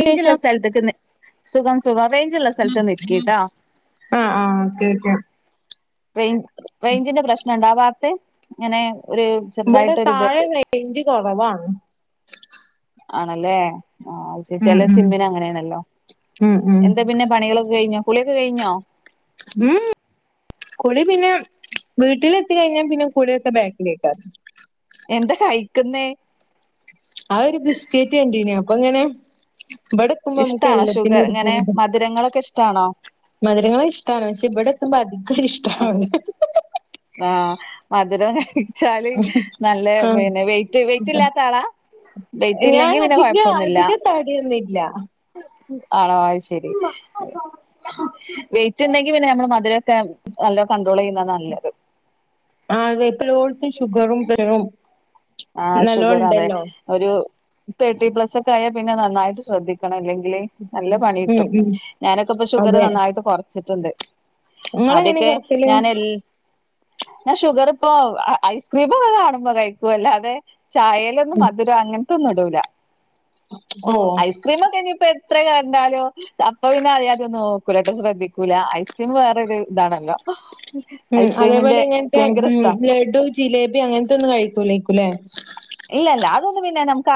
വേഞ്ചുള്ള ശേഷം സ്ഥലത്തേക്ക്ന്ന് സുഖം സുഖം റ റേജുള്ള സ്ഥലത്ത് നിക്കിട്ടാ. ആഹ് ആഹ് ഓക്കെ ഓക്കെ റേഞ്ച് റേഞ്ചിന്റെ പ്രശ്നം ഉണ്ടോ ആ ഭാഗത്ത് ഇങ്ങനെ ഒരു ഇവിടെ ചെറുതായിട്ടൊരു താഴെ ഇത്ണ്ട് റേഞ്ച് കുറവാണ്. ആണല്ലേ ആ ഉം ചില ഉം സിമ്മിന അങ്ങനെയാണല്ലോ ഉം ഉം എന്ത പിന്നെ പണികളെക്കെ കഴഞ്ഞോ കുളിയൊക്കെ കഴിഞ്ഞോ. ഉം കുളി പിന്നെ വീട്ടില എത്തി കഴിഞ്ഞാ പിന്നെ കുളിയൊക്കെ ബാക്കിലേക്ക എന്താ കഴിക്കുന്നേ ആ ഒരു ബിസ്കറ്റ് കണ്ടീന അപ്പൊ ഇങ്ങനെ ഇവിടക്കുമ്പോ നമുക്ക് ഇഷ്ടാണോ എല്ലാത്തിനും ഷുഗർ ഒരു പോ ഇങ്ങനെ മധുരങ്ങളൊക്കെ ഇഷ്ടാണോ മധുരങ്ങള് ഇഷ്ട്ടാണ് പക്ഷെ ഇവിടെ എത്തുമ്പോ അധികം ഇഷ്ടണ് ആഹ് മധുരം കഴിച്ചാല് നല്ല ആഹ് പിന്നെ വെറ്റ് വെറ്റ് ഇല്ലാത്താളാ. ഡെയറ്റ് ഞാൻ ഇല്ലെങ്കി പിന്നെ അധിക കൊഴപ്പൊന്നുല്ല. അധിക തടിയൊന്നില്ല ആണോ അഹ് ശരി. വെയിറ്റ് ഇണ്ടെങ്കി പിന്നെ നമ്മള് മധുരമൊക്കെ നല്ല കണ്ട്രോൾയ്യുന്ന നല്ലത്. ആ അതെ ഇപ്പോഓടുത്തും ഷുഗറും പറും [unintelligible] ആ ഷുഗർ അതെ ഒരു തേർട്ടി പ്ലസ് ഒക്കെ ആയാ പിന്നെ നന്നായിട്ട് ശ്രദ്ധിക്കണം അല്ലെങ്കിൽ. നല്ല പണി ഉം കിട്ടും ഉം ഞാനൊക്കെ ഇപ്പൊ ഷുഗർ അതെ നന്നായിട്ട് കുറച്ചിട്ടുണ്ട്. നിങ്ങളെങ്ങനെ അതൊക്കെ കൊറക്കല് ഞാൻ എ ഞാ ഷുഗർ ഇപ്പൊ ഐസ്ക്രീമ ഒക്കെ കാണുമ്പോ കഴിക്കും അല്ലാതെ ചായലൊന്നും മധുരം അങ്ങനത്തെ ഒന്നും ഇടൂല ഓഹ് ഐസ്ക്രീമൊക്കെ ഇനിപ്പ എത്ര കണ്ടാലോ അപ്പൊ പിന്നെ അറിയാതൊന്നും നോക്കുലോട്ട ശ്രദ്ധിക്കൂല ഐസ്ക്രീം വേറെ ഒരു ഇതാണല്ലോ. ഉം അതേപോലെ ഐസ്ക്രീമിന്റെ ഇങ്ങനത്തെ ഭയങ്കര ഉ ഇഷ്ടാ ലഡു ജിലേബി അങ്ങനത്തെ ഒന്നും കഴിക്കൂലേക്കൂല്ലേ. ഇല്ലല്ല അതൊന്നും പിന്നെ നമുക്ക്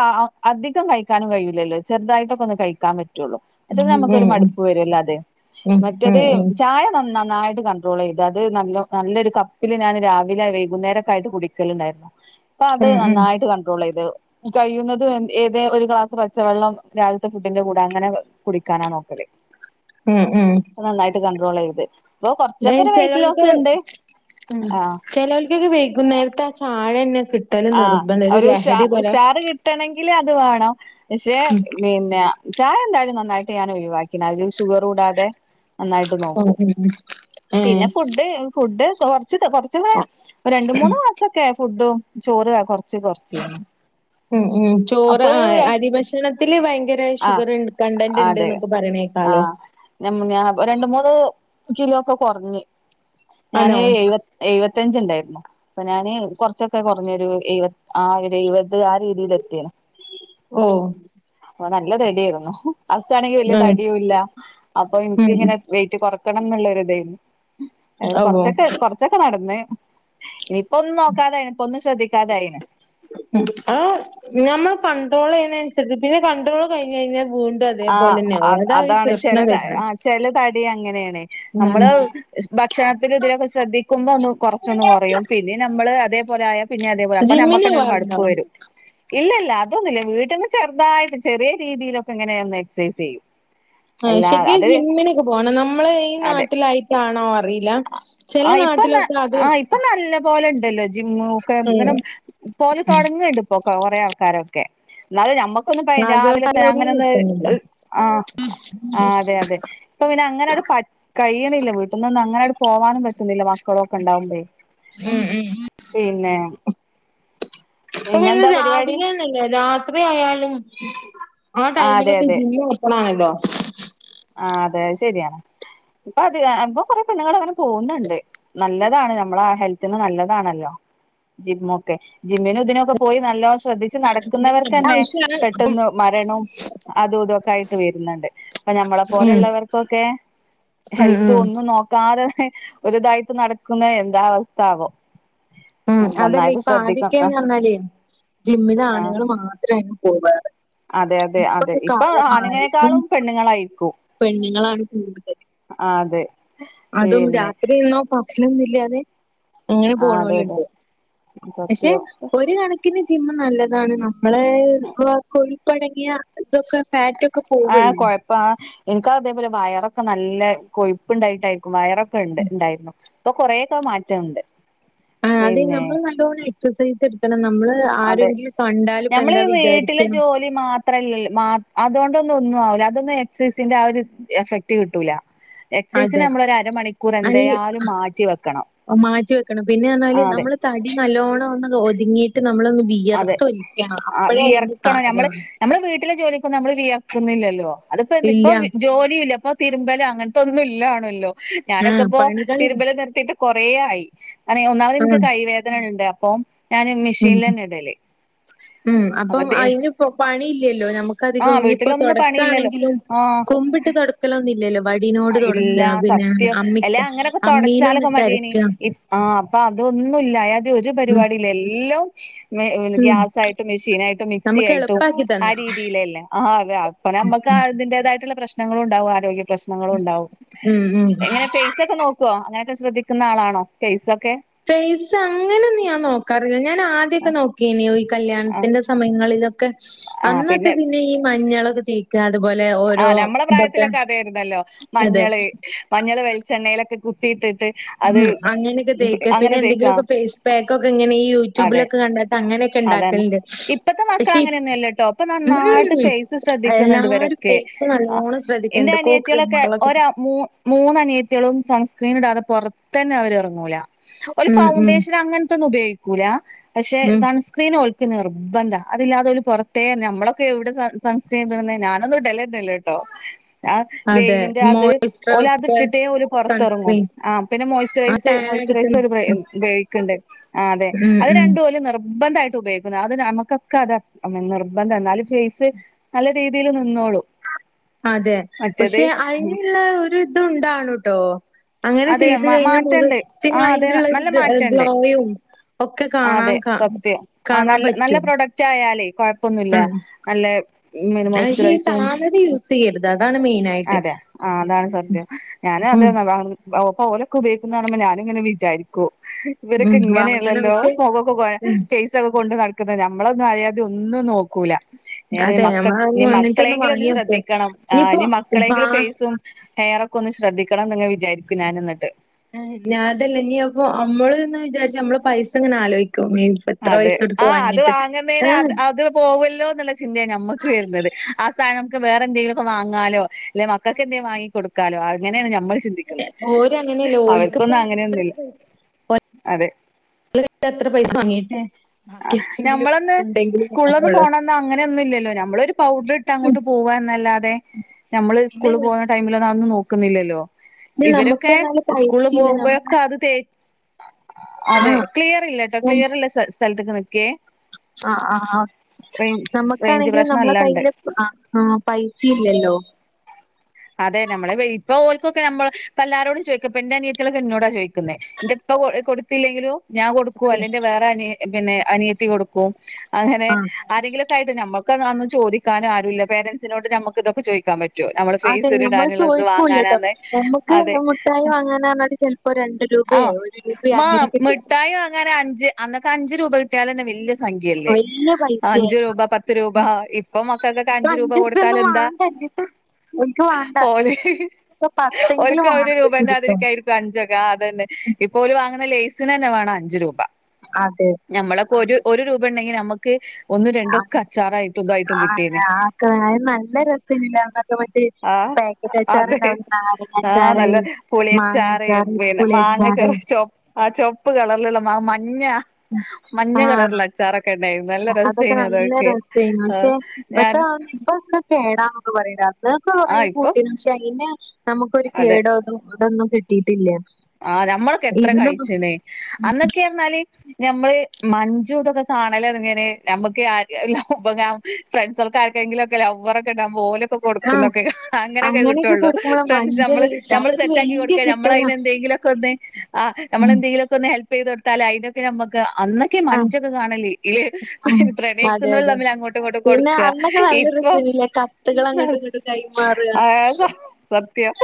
അധികം കഴിക്കാനും കഴില്ലല്ലോ ചെറുതായിട്ടൊക്കെ ഒന്ന് കഴിക്കാൻ പറ്റുള്ളു. മറ്റത് ഉം ഉം നമുക്കൊരു മടുപ്പ് വരുംല്ലോ അതെ ഉം ഉം മറ്റത് ഉം ചായ നന്ന നന്നായിട്ട് കണ് ഇത് അത് നല്ല നല്ലൊരു കപ്പില് ഞാന് രാവിലെ വൈകുന്നേരം ആയിട്ട് കുടിക്കലുണ്ടായിരുന്നു. അപ്പൊ അത് ഉം ഉം നന്നായിട്ട് കണ്ട്രോൾയ്ത്. കഴിയുന്നതും ഏത ഒരു ഗ്ലാസ് പച്ചവെള്ളം രാവിലത്തെ ഫുഡിന്റെ കൂടെ അങ്ങനെ കുടിക്കാനാ നോക്കല് ഉം ഉം ഇപ്പ നന്നായിട്ട് കണ്ട്രോളെയ്ത് ഇപ്പൊ ഏഹ് കൊർച്ചൊക്കൊര് വെയറ്റ് ചെലോൽക്ക് ലോസ്ണ്ട് ഉം ആഹ് ചെലോൽക്കൊക്കെ വൈകുന്നേരത്തെ ആ ചായന്നെ കിട്ടല് നിർബന്ധ ഒര് ലഹരി പോലെ ട്ടണെങ്കില് അത് വാണം പക്ഷേ ഉം പിന്നെ ചായെന്തായാലും നന്നായിട്ട് ഞാനൊഴിവാ ക്കിണ് അയ്ല് ഷുഗറൂടാതെ നന്നായിട്ട് ഉം നോക്കും ഉം ഉം ഏഹ് പിന്നെ ഫു ഡ് ഫുഡ് കൊർച്ച് കൊർച്ചൊക്കെ ഒര് രണ്ട് മൂന്ന് മാസൊക്കെ ഫുഡും ചോറ് കൊർ ച്ചീന്ന് ഉം ഉം ചോറ് ആഹ് അരഭക്ഷണത്തില് ഭയ്ങ്കര ആഹ് ഷുഗറ് കണ്ടന്റ്ണ്ട്ന്നൊക്കെ പറണേ ഹലോ ഞമ്മ ഞാ രണ്ട് മൂന്ന് കിലോക്കെ കൊർഞ്ഞ് ആണോ ഞാന് എഴുപ എഴ്‌വത്തഞ്ച്ണ്ടായിര്ന്നു അപ്പൊ ഞാന് കൊർച്ചൊ ക്കെ കൊർഞ്ഞൊരു എഴവ ആ ഒരെയ്പത് ആ രീതീലെത്തീയെട ഓഹ് അപ്പ നല്ല തടിയായിര്ന്നു അസ്സാണെങ്കി വല്ല്യ ഉം തടിയൂല്ല അപ്പൊ ഉം ഇൻക്ക്ങ്ങനെ വെയിറ്റ് കൊർക്കണംന്ന്ള്ളൊര്തേയ്ന്നു അങ്ങനെ ഓഹ് കൊർച്ചൊക്കെ കൊർച്ചൊക്കെ നടന്ന് ഇനിപ്പൊന്നും നോക്കാതായീ ഇപ്പൊന്നും ശ്രദ്ധിക്കാതായീന് ഉം ആ നമ്മള് കണ്ടട്രോളെയ്യ്ണൻസരിച്ച് പിന്നെ കണ്ട്രോള് കഴിഞ്ഞയ്ഞ്ഞാ വീ ടും ആഹ് ആതേപോലെന്നാവും അത് ആതാ ഈ അതാണ് ചെല പ്രശ്നം വര്ന്നെ ആ ചെല തടി അങ്ങനേണ് നമ്മള് ഭക്ഷണത്തില് ഇതിലൊക്കെ ശ്രദ്ധിക്കുമ്പൊന്ന് കൊർച്ചൊന്ന് കൊറയും പിന്നെ നമ്മള് അതേപോലായ പിന്നെ അതേപോലെ അപ്പൊ ജിമ്മിന് നമ്മക്കന്നെ ഒര് പോവാറുണ്ടോ മടുപ്പ് വരും ഇല്ലില്ല അതൊന്നുല്ല വീട്ടിന്ന് ചെർതായിട്ട് ചെറിയ രീതീലൊക്കെ ഇങ്ങനെയൊന്നെക്സൈസെയ്യും ആ ശരിക്കും ജിമ്മിനൊക്കെ പോണം നമ്മള് ഈ നാട്ടിലായിട്ടാണോ അറീല ആഹ് ഇപ്പൊ ന ആഹ് ഇപ്പൊ നല്ല പോല്ണ്ടല്ലോ ജിമ്മ് ഒക്കെ ഉം ഇങ്ങനെ പോവല് തൊടങ്ങ്ണ്ട്പ്പൊ കൊറേ ആൾക്കാരൊക്കെ എന്നാലും ഞമ്മക്കൊന്നും പ്പയി ആഹ് ഗേൾസ് രാവിലെത്തന്നെ അതിനൊരുങ്ങി അങ്ങനൊന്ന് നിക്കുന്നില്ല ആഹ് ആഹ് അതെ അതെ ഇപ്പൊ പിന്നങ്ങനാണ്ട് പ കയ്യ്ണില്ല വീട്ട്ന്നൊന്നും അങ്ങനാട് പോവാനും പറ്റുന്നില്ല മക്കളൊക്കെണ്ടാവുമ്പെയ് പിന്നെ ഇപ്പൊ പിന്നെ പിന്നെന്താ പരിപാടി രാവിലേന്നില്ല്യ രാത്രിആയാലും ആ അതെ ടൈമിലൊക്കെ അതെ ജിമ്മ് ഓപ്പണാണല്ലോ ആ അതെ അത് ശെരിയാണ് ഇപ്പതിക ഇപ്പൊ കൊറേ പെണ്ണുങ്ങള് അങ്ങനെ പോകുന്നുണ്ട് നല്ലതാണ് നമ്മള ഹെൽത്തിന് നല്ലതാണല്ലോ ജിമ്മൊക്കെ ജിമ്മിനും ഇതിനൊക്കെ പോയി നല്ലോ ശ്രദ്ധി ച്ച് പിന്നെ നല്ല നടക്കുന്നവർക്കന്നെ ആവശ്യാണ് പെട്ടെന്ന് മരണും അതുതൊക്കായിട്ട് വര്ന്ന്ണ്ട് ഞമ്മളെ ഉം പോലെള്ളവർക്കൊക്കെ ഉം ഹെൽത്ത് ഉം ഒന്നും നോക്കാതെ തന്നെ ഒരുതായിട്ട് നടക്കുന്ന എന്താ അവസ്ഥാവോ ഉം അതല്ല നന്നായിട്ട് ശ്രദ്ധിക്കണം ഇപ്പാദ്യൊക്കേന്ന് പർഞ്ഞാല് ആ ജിമ്മിലാണുങ്ങള് മാത്രേയ്നു പോവാറ് അതെ അതെ അതെ ഇപ്പൊ ഇപ്പം ആണിനേക്കാളും പെണ്ണുങ്ങളായിരിക്കും പെണ്ണുങ്ങളാണ് കൂടുതൽ ആഹ് അതെ അതും പിന്നെ രാത്രീന്നോ ഭക്ഷണൊന്നില്ലാതെ ഇങ്ങനെ ആ അതെ അതെ പോണോല്ണ്ട് പക്ഷെ സത്യം ഒര് കണ ക്കിന് ജിമ്മ് നല്ലതാണ് നമ്മളെ ഇപ്പൊ കൊഴിപ്പടങ്ങിയ ഇതൊക്കെ ഫാറ്റൊക്കെ പോവല്ലോ പ്പ എനിക്കതേപോലെ വയറൊക്കെ നല്ല കൊഴുപ്പ്ണ്ടായിട്ടായിരിക്കും വയറൊക്കെണ്ട് ഇണ്ടായിര്ന്നു ഇപ്പൊ കൊറേക്ക മാറ്റണ്ട് ആഹ് അത് നമ്മള് നല്ലോണം എക്സസൈസെട്ക്കണം നമ്മള് അത് അതെ ആരെങ്കിലും കണ്ടാല്‌പ്പെന്താ വിചാരിക്ക ലി മാത്രല്ലല്ലോ മാ അതോണ്ടൊന്നും ഒന്നു ആവൂല അതൊന്നും എക്സൈസിന്റെ ആ ഒര് എഫക്റ്റ് കിട്ടൂല എക്സസൈസിന് അതെ നല്ല നമ്മളൊരരമണിക്കൂറെന്തായാലും മാറ്റി വെക്കണം മാറ്റി വെക്കണം പിന്നെ ആ പറഞ്ഞാല് അതെ നമ്മള് തടി നല്ലോണൊന്ന് ഒതുങ്ങിയിട്ട് നമ്മളൊന്ന് അതെ വിയർത്തൊലിക്കണം ആ അപ്പഴേ അയ്ന്റെ വിയർക്കണം കാര്യം ഞമ്മള് നമ്മള് വീട്ടിലെ ജോലിക്കൊന്നും നമ്മള് വിയറ്ക്കുന്നില്ലല്ലോ അതിപ്പോ എന്ത് ഇല്ല ഇപ്പം ജോലി ഇല്ല അപ്പം തിരുമ്പല് അങ്ങനത്തൊന്നും ഇല്ലാണല്ലോ ആ ഞാനൊക്കെ ഇപ്പോ പണികളില്ല തിരുമ്പല് നിർത്തിയിട്ട് കൊറേ ആയി അതെ ഒന്നാമത് ആ ഇൻക്ക് കൈ വേദനണ്ട് അപ്പൊ ഞാൻ ഉം മെഷീനിൽ തന്നെ ഇടല്ലേ ഉം അപ്പം അയിന് ഇപ്പം പണി ഇല്ലല്ലോ നമുക്ക് ആ അധികം ഇനിപ്പോ വീട്ടിലൊന്നും പണിയില്ലല്ലോ തൊടക്കാണെങ്കിലും ആഹ കുമ്പിട്ട് തൊടക്കലൊന്നില്ലല്ലോ വടിനോട് ഇല്ല തൊടക്ക പിന്നെ സത്യം അല്ലെ അമ്മിക്ക് അമ്മിയില് ഒന്നിട്ടരക്ക ആഹ് അപ്പൊ അതൊന്നുല്ല ആയാതി ഒരു ഉം പരിവാടില്ല എല്ലാം മ പിന്നെ ഉം. ഗ്യാസായിട്ടും മെഷീനായിട്ടും മിക്സി നമുക്ക് ആയിട്ടും എളുപ്പാക്കി ആ തന്നു. രീതിലല്ലേ ആഹ് അതെ അപ്പം നമ്മക്ക് അതിന്റേതായിട്ട്ള്ള പ്രശ്നങ്ങളും ഉണ്ടാവും ആരോഗ്യ പ്രശ് ണ്ടാവും ഉം ഉം. എങ്ങനെ ഫൈസൊക്കെ നോക്കോ അങ്ങനൊക്കെ ശ്രദ്ധിക്കുന്ന ആളാണോ ഫൈസൊക്കെ പൈസ അങ്ങനൊന്ന് ഞാ നോക്കാറില്ല ഞാൻ ആദ്യൊക്കെ നോക്കിനി ഈ കല്യാണ്ത്തിന്റെ സമയങ്ങളിലൊക്കെ അന്നൊക്കെ പിന്നെ ഈ മഞ്ഞളൊക്കെ തേക്ക അത്പോലെ ആഹ് ഞമ്മള പ്രായത്തിലൊക്കെ അതേര്ന്നല്ലോ അതെ. മഞ്ഞള് മഞ്ഞള് വെലിച്ചെണ്ണേലൊക്കെ കുത്തിയിട്ടിട്ട് ഉം അത് അങ്ങനൊക്കെ തേക്ക പിന്നെ അങ്ങനെ തേക്കാ എന്തെങ്കിലൊക്കെ ഫേസ് പേക്കൊക്കെ ഇങ്ങനെ ഈ യൂട്യൂബിലൊക്കെ കണ്ടിട്ട് അങ്ങനൊക്കെ ഇണ്ടാക്കല്ല് ഇപ്പത്ത മക്കൾ അങ്ങനെയൊന്നും അല്ലട്ടോ ഇപ്പൊ ഉം നന്നായിട്ട് പൈസ ശ്രദ്ധിക്ക്ന്ന്ണ്ട് ഇവരൊക്കെ എല്ലാരും ക്കേ ഫേസ് ആ നല്ലോണം ശ്രദ്ധിക്ക എൻ്റെ എന്തൊക്കോ അനിയത്തിഓളൊക്കെ ക്രീമുകളൊക്കെ ഓരോ മൂ മൂന്ന് അനിയത്തോളും സൺസ്ക്രീൻ ഇടാതെ പൊറത്തന്നെ അവര് എറങ്ങൂല ഓല് ഉം ഉം ഫൗണ്ടേഷൻ അങ്ങൻത്തൊന്നും ഉപയോഗിക്കൂല പക്ഷെ ഉം സൺസ് ക്രീൻ ഓൽക്ക് നിർബദ്ധ അതില്ലാതെ ഓല് പൊറത്തേ ഞമ്മളൊക്കെ എവ്ടെ സൺ സൺസ്ക്രീൻ ഇട്ന്നേ ഞാ അതൊന്നും ഇടലന്നല്ല ട്ടോ ആ അതെ വെയ്ലിന്റെ അത് മോയ്സ്ചർ ഓല് അത്ട്ടിട്ടേ പ്ലസ് ഓല് പൊറത്തറങ്ങൂ സൺസ്ക്രീൻ ആഹ് പിന്നെ ആ മോയ്സ്ചൈസ് ടാൻ മോയ്ച്ച് അടിക്കുന്ന റൈസർ ഉപ ഉപയോഗിക്ക്ണ്ട് ആഹ് അതെ ഉം ഉം അത് ഉം രണ്ടും ഓല് നിർബന്ധായിട്ടും ഉപയോ അത് നമുക്കൊക്കെ അതാ നിർബന്ധം ന്നാലും ഫൈസ് നല്ല രീതിൽ നിന്നോളൂം ആതെ പക്ഷെ അയിന്ള്ള ഒരു ഇതുണ്ടാണ് ട്ടോ അങ്ങനെ അതെ ചെയ്ത് കഴിഞ്ഞാ മാറ്റണ്ട് ആ മുഖത്തിന് അതെ അതിന്റെള്ള നല്ല ഇത് ഗ്ലോ മാറ്റണ്ട് യും ഒക്കെ ആ കാണാൻ അതെ കാ കാണാ പറ്റും റ്റായാലേ കൊഴപ്പൊന്നുല്ല ഉം ന ല്ലേ പിന്നേ മോയ്സ്റ്റ്റൈസും ചെയ്യര്ത് അതാണ് മെയിൻ ആതെ ആഹ് അതാണ് സത്യം ഞാനും ഉം അതേന്നു [unintelligible] പ്പ ഓലൊക്കെ ഉപയോഗിക്കുന്നർഞപ്പോ ഞാനുംങ്ങനെ വിചാരിക്കു ഉം ഇവരൊക്കെ വാങ്ങണം ഇങ്ങനെണല്ലോ പക്ഷെ മൊഖൊക്കെ ഫൈ ഉം [unintelligible] കൊണ്ട് നടക്ക്ന്ന്നമ്മളൊന്നും അയാതി ഒന്നും നോക്കൂല ഞാ പിന്ന അതെ മക്ക ഞ്ഞ് നമ്മളതൊന്നും അങ്ങനത്തൊന്നും മക്കളെങ്കിലും ഒന്ന് വാങ്ങി വെക്ക്. ശ്രദ്ധിക്കണം ആഹ് ഇനിയിപ്പോ ഇനി മ വാ മക്കളെങ്കിലും ഫൈസും ഹെയറൊക്കെ ഒന്ന് ശ്രദ്ധിക്കണന്ന് ഇങ്ങനെ വിചാരിക്കും ഞാൻ ഇന്ന്ട്ട് ഞാ അതല്ല ഞ്പ്പൊ നമ്മള് ന്നാവിചാരിച്ചാനമ്മള് പൈസ ഇങ്ങനെ ആലോയിക്കും മീൻസ് അതെ ആഹ് അത് വാങ്ങ്ന്നേണ് അത് അത് പോവല്ലോ ന്ന്ള്ള ചിന്തയാ ഞമ്മക്ക് വര്ന്നത് ആ സാനം മ്മക്ക് വേറ എന്തെങ്കിലൊക്കേ വാങ്ങാലോ അല്ലെ മക്കക്ക് എന്തേം വാങ്ങി കൊടുക്കാലോ അങ്ങനെണ് ഞാ മ്മള് ചിന്തിക്ക്ന്നേ ഓര് അങ്ങനെയല്ല അവർക്കൊന്നും ഓൽക്കിപ്പം ഇത്ര അങ്ങനെയൊന്നുല്ല അതെ ഇങ്ങള് എത്ര പൈസ വാങ്ങി ട്ടേ ആ ഞമ്മളന്ന് സ്കൂളൊന്നും വാങ്ങുള്ളൂ പോണ അന്ന് അങ്ങനെയൊന്നും ഇല്ലല്ലോ ഞമ്മളൊരു പൗഡർ ഇട്ട ഉം അങ്ങോട്ട് പോവന്നല്ലാതെ ഞമ്മള് സ്കൂള് പിന്നെ പോവുന്ന ടൈമിലൊന്നും അതൊന്നും നോക്കുന്നില്ലല്ലോ പിന്നെ നമുക്ക് ഇവരൊക്കെ പറഞ്ഞാല് സ്കൂള് പൈസയില്ല നമുക്ക് പോകുമ്പോഴൊക്കെ അത് തേ അതെ ആഹ് ക്ലിയർ ഇല്ലട്ടോ ഉം ക്ലിയർള്ള സ സ്ഥലത്ത്ക്ക് നിക്കേ ആഹ് ആഹ് ആഹ് റേഞ്ച് റേഞ്ച് നമുക്കാണെങ്കിൽ പ്രശ്നം നമ്മളെ നല്ലണ്ട് കയ്യില് അ ആ പൈസിം ഇല്ലല്ലോ അതെ നമ്മളെ ഇപ്പം ഓല്ക്കൊക്കെ നമ്മൾ പ്പഎല്ലാരോടും ചോയിക്ക ഇപ്പം ഇന്റെ അനിയത്തിളൊക്കെ ഇന്നോടാ ചോയിക്കുന്നേ ഇന്റെ ഇപ്പ കൊ കൊടുത്തില്ലെങ്കിലും ഞാൻ കൊടുക്കും അല്ലെന്റെ വേറെ അന പിന്നെ അനിയത്തി കൊടുക്കും അങ്ങനെ ആഹ് ആരെങ്കിലും നമുക്ക് ആയിട്ട് നമ്മുക്ക് അന്നന്ന് ചോദിക്കാനും ആരുമില്ല പേരന്റസിനോട് നമുക്ക് ഒക്കെ ചോദിക്കാൻ പറ്റുമോ നമ്മുടെ ഫേസ് അതെ ഇസ്തിരി നമ്മള് ഇടാനുള്ളത് ചോദിക്കൂല്ലട്ടോ. വാങ്ങാനാന്ന് നമ്മക്ക് അതെ മുട്ടായി വാങ്ങാനാർഞ്ഞാല് ചെലപ്പോ രണ്ട് ആഹ് രൂപയോ ഒരു രൂപയോ മ അങ്ങനെയൊക്കെ തരും. മിഠായി വാങ്ങാന അഞ്ച് അന്നൊക്കെ അഞ്ച് രൂപ കിട്ടിയാലന്നെ വല്യ സംഖ്യയല്ലേ വല്യ അഞ്ചു പൈസയായിരിക്കും. രൂപ പത്ത് രൂപ ഇപ്പൊ മക്കൾക്കൊക്കെ ഇപ്പൊ അഞ്ചു രൂപ കൊടുത്താൽ അഞ്ചുർപ്യൊന്നും എന്താ വാണ്ടന്നെ ഓൽക്ക് വാണ്ട. ഓല് ഇപ്പൊ പത്തെങ്കിലും ഓക്കും വാണം ഇപ്പൊ ഒരുരുപ ചുരുക്കം. [unintelligible] അഞ്ചൊക്കെ അതന്നെ ഇപ്പോല് വാങ്ങുന്ന ലേസിന് തന്നെ വേണം അഞ്ചു രൂപ അതെ നമ്മളൊക്കെ ഒരു ഒരു രൂപ ഉണ്ടെങ്കി നമുക്ക് ഒന്നും രണ്ടോ അച്ചാറായിയിട്ടും ഇതായിട്ടും കിട്ടിയന്ന ആക്ക നല്ല രസയ്നില്ലേ അന്നൊക്കെ മറ്റേ ആഹ് പാക്കറ്റ് അച്ചാറ് അതെ ഉണ്ടാകും നാരങ്ങാ ആഹ് അച്ചാറ്, നല്ല മാങ്ങ അച്ചാറ്, പുളി അച്ചാറ് ചൊപ്പ് ആ ചൊപ്പ് കളറിലുള്ള മഞ്ഞ ഉം മഞ്ഞ ആഹ് കളറിലുള്ള അച്ചാറൊക്കെ ഉണ്ടായിരുന്നു നല്ല അതൊക്കെ രസേനു നല്ല രസയ്നു ആഹ് പക്ഷെ മറ്റ ഞാൻ കേടാന്നൊക്കെ പറയില്ല അന്നൊക്കെ കൊറേ ആഹ് ഇപ്പൊ കൂട്ടീ കൃഷി പക്ഷെ അയിന് നമുക്കൊരു അതെ കേടോ അതും ഇതൊന്നും കിട്ടിയിട്ടില്ല ആഹ് നഞമ്മളൊക്കെ എത്ര ഇന്ന് കഴിച്ച്ണ് അന്നൊക്കെ പറഞ്ഞാല് ഞമ്മള് മഞ്ജു ഇതൊക്കെ കാണല ഇങ്ങനെ നമ്മുക്ക് ആല്ലാം ഉപകം ഫ്രണ്ട്സൾക്ക് ആർക്കെങ്കിലും ഒക്കെ ലൗവർ ഉണ്ടാകുമ്പോൾ ഓൾ ആ കൊടുന്നൊക്കെ അങ്ങനൊക്കെ അങ്ങനെയൊക്കെ കിട്ടള്ളൂ കൊടുക്കുമ്പോളാ ഫ്രണ്ട് മഞ്ചൊക്കെ നമ്മള് കിട്ടാ നമ്മൾ അതൊക്കെ സെറ്റാക്കി വല്യ കൊടുക്ക കിട്ടലാ നമ്മതിൽ എങ്കിലൊക്കെ ഒന്ന് ഹാ നമ്മൾ ഉം എന്തെ ലൊക്കൊന്ന് ഹെൽപ്പ്ചെയ്ത കൊടുത്താൽ അയ്നൊകെ അയ് ഹൊ ക്കെ നമ്മക്ക് നമ്മുക്കെ കി ആ മഞ്ചൊക്കെ കാണലേ കിൽ ആ അതെ പ്രണയിക്കുന്ന വർ അതെ തമ്മിൽ അങ്ങോട്ടും ഇങ്ങോട്ടും പിന്നെ കൊടുക്ക അന്നൊക്കെ നല്ല ഇപ്പോ രസേനില്ലേ കത്തുകൾ മ്ആഹ് അങ്ങോട്ടും ഇങ്ങോട്ടും കൈമാറുക ആഹ് സത്യം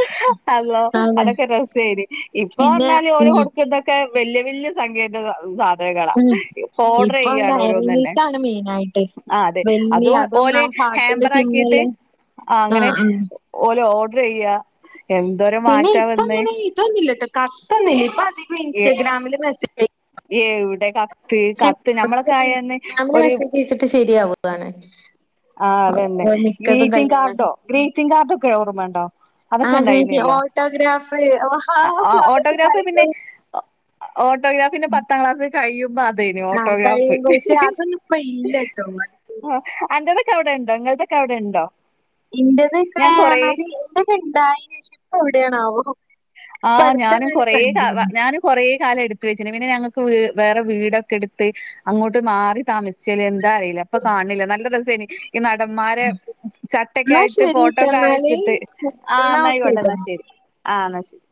അല്ലോ അതെ അതൊക്കെ രസായിരുന്ന് ഇപ്പൊ പിന്നെ പറഞ്ഞാല് ഓര് ഉം കൊടുക്കുന്നതൊക്കെ വല്യ വലിയ സംഖ്യയുടെ സാധ ഉം [unintelligible] ഓർഡർ ഇപ്പൊ ചെയ്യാണ് ഡയറി ഓരോന്ന് തന്നെ മിൽക്കാണ് മെയിനായിട്ട് ആ അതെ വല്യ അതും ഓല് ആ ഹാർട്ടിന്റെ ഹാമ്പർ ആക്കിയിട്ട് ചിഹ്നല്ലേ ആ അങ്ങനെ ഓല് ഓർഡർ ചെയ്യാ എന്തോരെ മാറ്റാ വന്നെ കത്തൊന്നുംമില്ലട്ടോ കത്തൊന്നില്ല ഇപ്പൊ അധികം ഇൻസ്റ്റാഗ്രാമില് മെസ്സേജ് എവിടെ കത്ത് [inaudible] കത്ത് ഞമ്മളൊക്കെ ആയന്ന് ഇൻസ്റ്റഗ്രാം ഒരു മെസ്സേജച്ചിട്ട് ശരിയാവോ [unintelligible] ആ അതന്നെ ഗ്രീറ്റിംഗ കാർഡോ ഗ്രീറ്റിംഗ കാർഡൊക്കെ ഓർമ്മയുണ്ടോ അതൊക്കെ ആഗ്രഹിക്ക ഉണ്ടായിരുന്നല്ലോ ഓട്ടോഗ്രാഫ് അതൊക്കെ ഓട്ടോഗ്രാഫ് പിന്നെ വായിക്കും ഓട്ടോഗ്രാഫിന്റെ പത്താം ക്ലാസ് കഴിയുമ്പോ അതേന ആ ഓട്ടോഗ്രാഫ് കഴിയുമ്പോ പക്ഷെ അതൊന്നും ഇപ്പ ഇല്ലട്ടോ ആ അന്റെതൊക്കെ അവിടെ ഉണ്ടോ ഇങ്ങൾതൊക്കെ അവിടെ ഉണ്ടോ ഞാൻ കൊറേ എന്റേതാക്കെപ്പറഞ്ഞാൽ ഉണ്ടായിന്ന് ഇപ്പോ എവിടെയാണാവോ? ഇപ്പ ആഹ് ഞാനും അടുത്തെങ്ങാനും കൊറെ കണ്ടിരുന്നു ഞാനും കൊറെ കാലം എടുത്ത് വെച്ച്ണ് പിന്നെ ഞങ്ങക്ക് വേറെ വീടൊക്കെ എടുത്ത് അങ്ങോട്ട് മാറി താമസിച്ചല് എന്താ അറിയില്ല ഇപ്പൊ കാണില്ല നല്ല രസേന് ഈ നടന്മാര് ചട്ടക്കെ എന്നാ ആയിട്ട് ശരി ട്ടോ ഫോട്ടോക്കെ എന്നാല് വെച്ചിട്ട് ആ എന്നാ ഓക്കെ എന്നായിക്കോട്ടെ എന്നാ ട്ടോ ശരി ആ എന്ന ശരി